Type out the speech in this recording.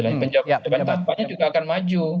tapi penjabatnya juga akan maju